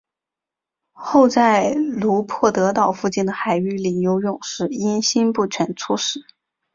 后在卢帕德岛附近的海域里游泳时因心不全猝死。